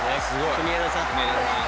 国枝さん。